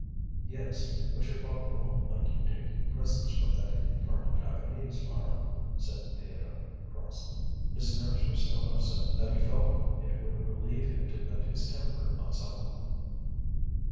"Yes, but your father won't like you taking presents from that infernal Japanese, Mara," said Theodore, crossly. His nerves were so upset that he felt it would relieve him to vent his temper on someone.